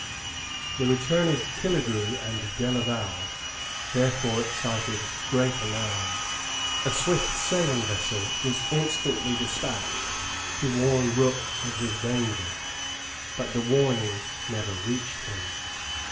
The return of Killegrew and Delaval therefore excited great alarm. A swift sailing vessel was instantly despatched to warn Rooke of his danger; but the warning never reached him.